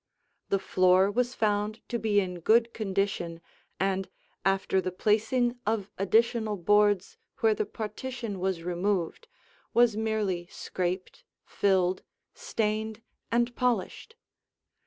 The floor was found to be in good condition and, after the placing of additional boards where the partition was removed, was merely scraped, filled, stained, and polished.